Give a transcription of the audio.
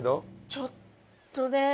ちょっとね。